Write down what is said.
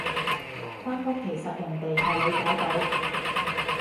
發覺其實人哋係理解到